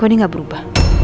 me enak bangetnya